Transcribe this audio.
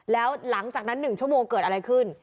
แล้วหลังจากนั้น๑ชั่วโมงเกิดอะไรขึ้น